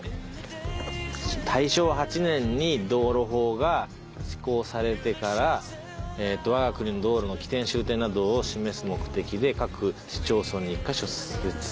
「大正八年に道路法が施行されてからわが国道路の起点・終点などを示す目的で各市町村に一箇所設置されました」